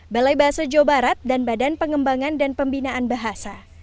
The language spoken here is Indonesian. balai bahasa jawa barat dan badan pengembangan dan pembinaan bahasa